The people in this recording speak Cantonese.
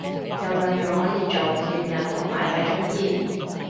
有兩樣可以做，驗孕同埋睇中醫